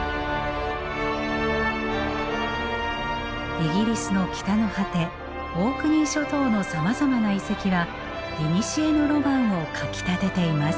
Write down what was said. イギリスの北の果てオークニー諸島のさまざまな遺跡はいにしえのロマンをかきたてています。